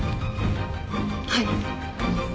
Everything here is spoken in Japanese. はい。